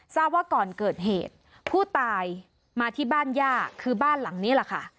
ทราบว่าก่อนเกิดเหตุผู้ตายมาที่บ้านย่าคือบ้านหลังนี้แหละค่ะ